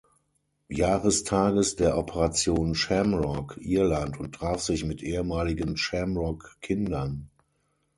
Jahrestages der "Operation Shamrock" Irland und traf sich mit ehemaligen Shamrock-Kindern.